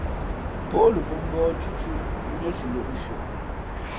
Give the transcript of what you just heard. Pάʼ ǒ lα mbᾱ mbǒh cʉ̄cʉ̄ niά siʼ lōʼ nshʉαʼ.